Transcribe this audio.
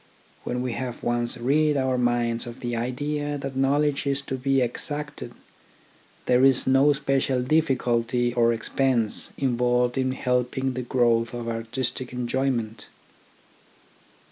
When we have once rid our minds of the idea that knowledge is to be exacted, there is no especial difficulty or expense involved in helping the growth of artistic enjoyment.